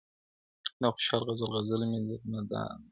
د خوشحال غزل غزل مي دُر دانه دی,